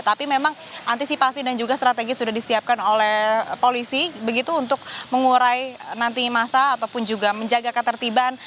tapi memang antisipasi dan juga strategi sudah disiapkan oleh polisi begitu untuk mengurai nanti masa ataupun juga menjaga ketertiban